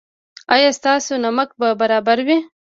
ایا ستاسو نمک به برابر وي؟